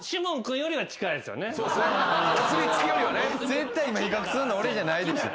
絶対今比較すんの俺じゃないでしょ。